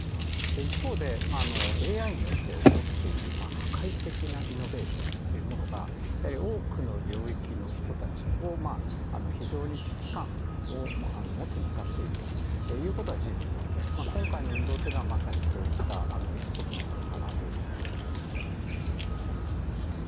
一方でＡＩによって起こっている破壊的なイノベーションというものがやはり多くの領域の人たちを非常に危機感を持つに至っているということは事実なので今回の運動というのはまさにそういった一側面なのかなと思いますね。